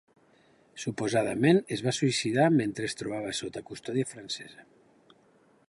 Suposadament es va suïcidar mentre es trobava sota custòdia francesa.